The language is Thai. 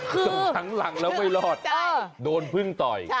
ส่งทั้งหลังแล้วไม่รอดโดนพึ่งต่อย